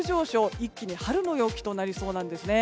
一気に春の陽気となりそうなんですね。